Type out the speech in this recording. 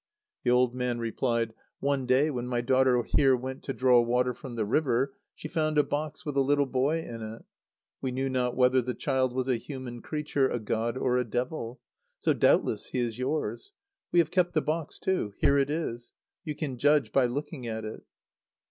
The old man replied: "One day, when my daughter here went to draw water from the river, she found a box with a little boy in it. We knew not whether the child was a human creature, a god, or a devil. So doubtless he is yours. We have kept the box too. Here it is. You can judge by looking at it."